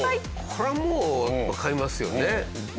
これはもうわかりますよね。